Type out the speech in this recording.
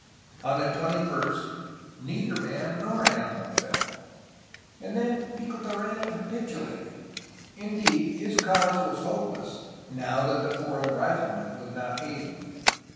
Onthe21st neither man nor animal fell. And then Micheltorena capitulated! Indeed, his cause was hopeless, now that the foreign riflemen would not aid him.